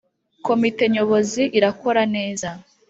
Komite Nyobozi irakora neza.